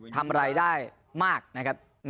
ทำรายได้มากนะครับ